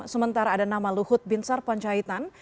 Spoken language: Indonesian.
sementara ada nama luhut bin sar poncahitan